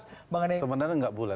sebenarnya enggak bulet